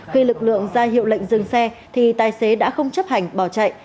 khi lực lượng ra hiệu lệnh dừng xe thì tài xế đã không chấp hành bỏ chạy